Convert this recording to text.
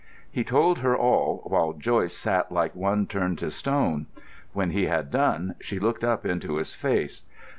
He told her all, while Joyce sat like one turned to stone. When he had done, she looked up into his face.